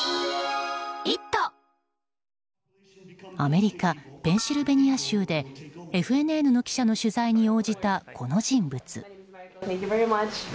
アメリカ・ペンシルベニア州でＦＮＮの記者の取材に応じたこの人物。